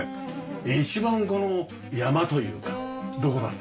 一番この山というかどこなんですか？